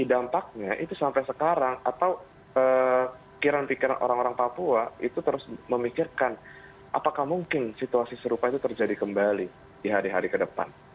jadi dampaknya itu sampai sekarang atau pikiran pikiran orang orang papua itu terus memikirkan apakah mungkin situasi serupa itu terjadi kembali di hari hari ke depan